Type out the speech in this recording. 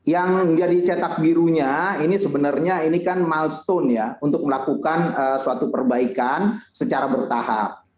yang jadi cetak birunya ini sebenarnya ini kan milestone ya untuk melakukan suatu perbaikan secara bertahap